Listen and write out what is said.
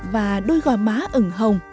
và đôi gò má ứng hồng